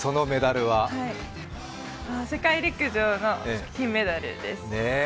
世界陸上の金メダルです。